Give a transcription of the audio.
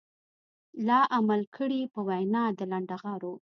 لا عمل کړي په وينا د لنډغرو.